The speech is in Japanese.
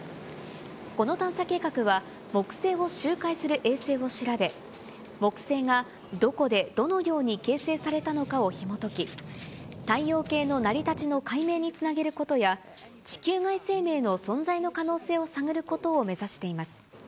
この探査計画は、木星を周回する衛星を調べ、木星がどこでどのように形成されたのかをひもとき、太陽系の成り立ちの解明につなげることや、地球外生命の存在の可能性を探ることを目指しています。